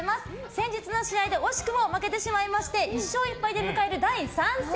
先日の試合で惜しくも負けてしまいまして１勝１敗で迎える第３戦。